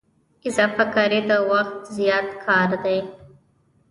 اضافه کاري د وخت زیات کار دی